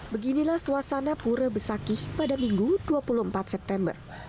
beginilah suasana pura besakih pada minggu dua puluh empat september